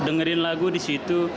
dengerin lagu di situ